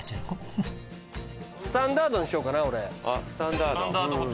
俺スタンダードにしようかな。